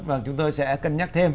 và chúng tôi sẽ cân nhắc thêm